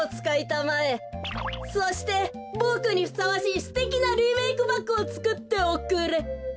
そしてボクにふさわしいすてきなリメークバッグをつくっておくれ。